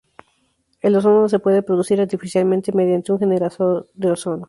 El ozono se puede producir artificialmente mediante un generador de ozono.